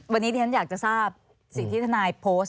วันนี้ที่ฉันอยากจะทราบสิ่งที่ทนายโพสต์